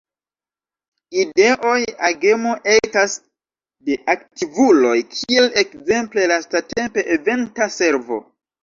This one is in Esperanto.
Ideoj, agemo ekas de aktivuloj kiel ekzemple lastatempe Eventa Servo.